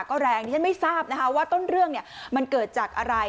ก็แรงดิฉันไม่ทราบนะคะว่าต้นเรื่องมันเกิดจากอะไร